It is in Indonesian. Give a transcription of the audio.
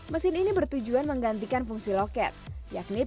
mesin ini bertujuan menggantikan fungsi loket yakni